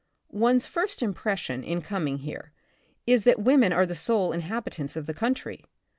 One's first impres sion, in coming here, is that women are the sole inhabitants of the country.